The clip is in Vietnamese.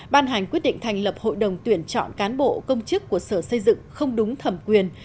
ban hành quyết định thành lập hội đồng tuyển chọn cán bộ công chức của sở xây dựng không đúng thẩm quyền